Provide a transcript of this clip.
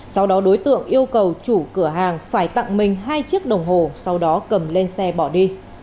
sau đó đối tượng yêu cầu chủ cửa hàng phải tặng mình hai chiếc đồng hồ sau đó cầm lên xe bỏ đi